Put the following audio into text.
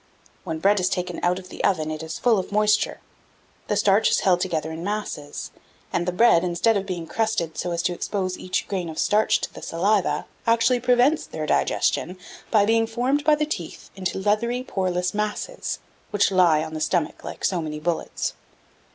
When bread is taken out of the oven, it is full of moisture; the starch is held together in masses, and the bread, instead of being crusted so as to expose each grain of starch to the saliva, actually prevents their digestion by being formed by the teeth into leathery poreless masses, which lie on the stomach like so many bullets.